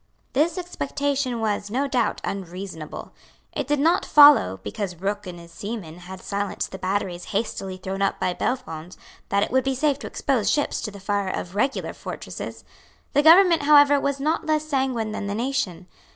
This expectation was, no doubt, unreasonable. It did not follow, because Rooke and his seamen had silenced the batteries hastily thrown up by Bellefonds, that it would be safe to expose ships to the fire of regular fortresses. The government, however, was not less sanguine than the nation.